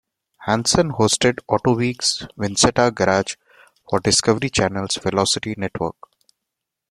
Hansen hosted "Autoweek's Vinsetta Garage" for Discovery Channel's Velocity network.